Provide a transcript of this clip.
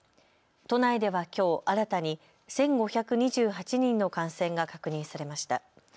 都内ではきょう新たに１５２８人の感染が確認されました。